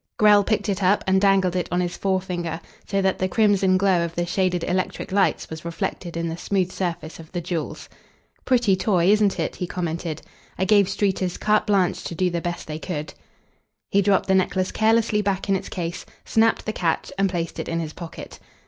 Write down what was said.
Grell picked it up and dangled it on his forefinger, so that the crimson glow of the shaded electric lights was reflected in the smooth surface of the jewels. "Pretty toy, isn't it?" he commented. "I gave Streeters carte blanche to do the best they could." He dropped the necklace carelessly back in its case, snapped the catch, and placed it in his pocket.